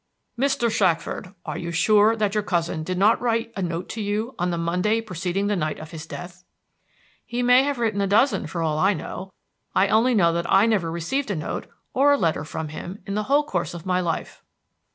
"Mr. Shackford, are you sure that your cousin did not write a note to you on the Monday preceding the night of his death?" "He may have written a dozen, for all I know. I only know that I never received a note or a letter from him in the whole course of my life."